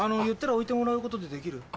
言ったら置いてもらうことってできる？